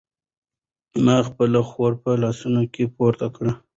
ما خپله خور په لاسونو کې پورته کړه.